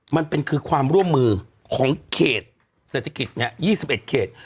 มันเป็นคือความร่วมมือของเขตเศรษฐกิจ๒๑เขต